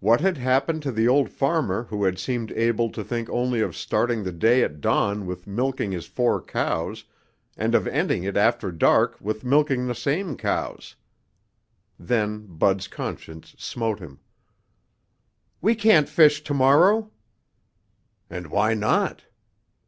What had happened to the old farmer who had seemed able to think only of starting the day at dawn with milking his four cows and of ending it after dark with milking the same cows? Then Bud's conscience smote him. "We can't fish tomorrow!" "And why not?"